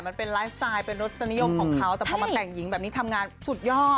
มันเป็นไลฟ์สไตล์เป็นรสนิยมของเขาแต่พอมาแต่งหญิงแบบนี้ทำงานสุดยอด